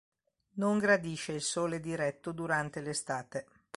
Non gradisce il sole diretto durante l'estate.